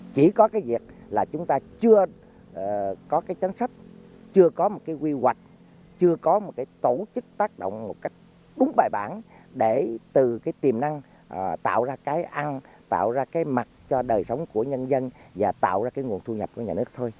chỉ có cái việc là chúng ta chưa có cái chính sách chưa có một cái quy hoạch chưa có một cái tổ chức tác động một cách đúng bài bản để từ cái tiềm năng tạo ra cái ăn tạo ra cái mặt cho đời sống của nhân dân và tạo ra cái nguồn thu nhập của nhà nước thôi